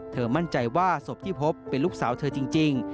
มั่นใจว่าศพที่พบเป็นลูกสาวเธอจริง